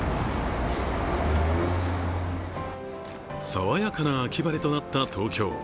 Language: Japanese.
爽やかな秋晴れとなった東京。